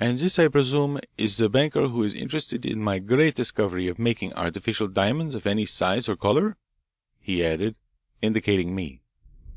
"And this, I presume, is the banker who is interested in my great discovery of making artificial diamonds of any size or colour?" he added, indicating me.